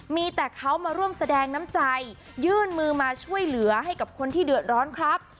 มีแต่เขามาร่วมแสดงน้ำใจยื่นมือมาช่วยเหลือให้กับคนที่เดือดร้อนครับ